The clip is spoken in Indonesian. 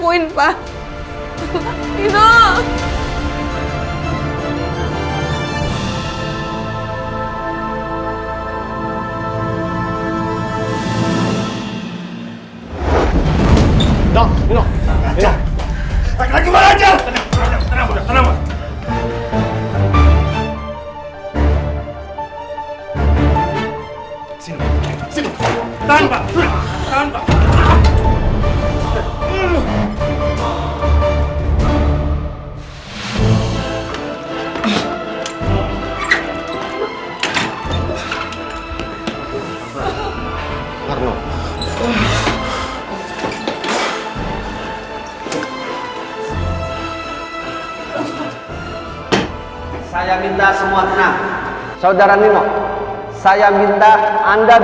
sampai jumpa di video selanjutnya